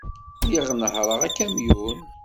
Lliɣ nehhṛeɣ akamyun.